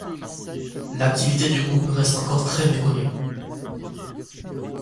L'activité du groupe reste encore très méconnue.